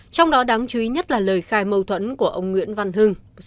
trong đó đáng chú ý nhất là lời khai mâu thuẫn của ông nguyễn văn hưng